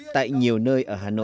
tại nhiều nơi